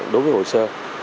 đối với hồ sơ